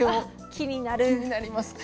気になります。